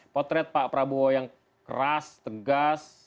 potret pak prabowo yang keras tegas